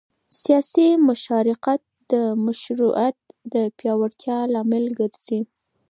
سیاسي مشارکت د مشروعیت د پیاوړتیا لامل ګرځي